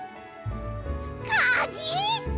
かぎ！